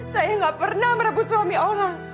saya nggak pernah merebut suami orang